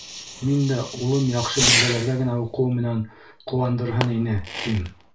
Мин дә улым яҡшы билдәләргә генә уҡыуы менән ҡыуандырһын ине, тим.